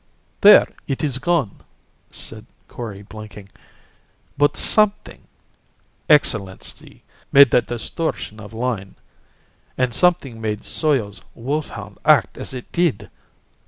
"There, it is gone," said Kori, blinking. "But something, Excellency, made that distortion of line. And something made Soyo's wolfhound act as it did!